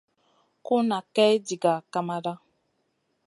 Ku nʼa Kay diga kamada.